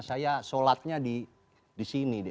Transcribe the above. saya solatnya di sini deh